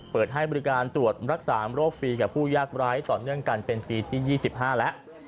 เปิดให้บริการตรวจรักษาโรคฟรีกับผู้ยากร้ายต่อเนื่องกันเป็นปีที่๒๕แล้ว